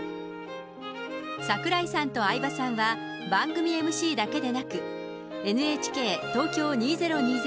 櫻井さんと相葉さんは番組ＭＣだけでなく、ＮＨＫ東京２０２０